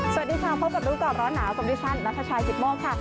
สวัสดีค่ะพบกับรู้จักร้อนหนาวสวัสดีฉันนัทชายจิตมองค์ค่ะ